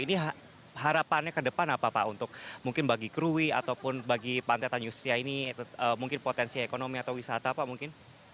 ini harapannya ke depan apa pak untuk mungkin bagi krui ataupun bagi pantai tanjustia ini mungkin potensi ekonomi atau wisata pak mungkin